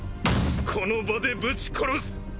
この場でぶち殺す！